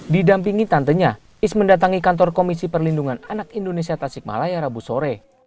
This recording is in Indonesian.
didampingi tantenya is mendatangi kantor komisi perlindungan anak indonesia tasikmalaya rabu sore